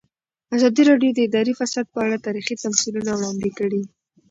ازادي راډیو د اداري فساد په اړه تاریخي تمثیلونه وړاندې کړي.